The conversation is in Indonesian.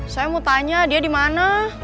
saya mau tanya dia dimana